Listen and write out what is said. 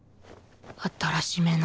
新しめの